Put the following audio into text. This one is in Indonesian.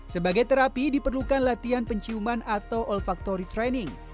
sebagai terapi diperlukan latihan penciuman atau olfaktori training